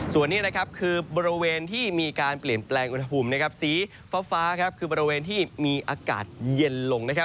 ส่วนนี้นะครับคือบริเวณที่มีการเปลี่ยนแปลงอุณหภูมิสีฟ้าคือบริเวณที่มีอากาศเย็นลงนะครับ